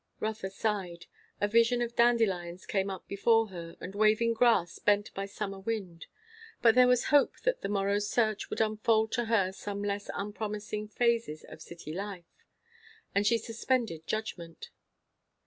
Rotha sighed. A vision of dandelions came up before her, and waving grass bent by summer wind. But there was hope that the morrow's search would unfold to her some less unpromising phases of city life, and she suspended judgment.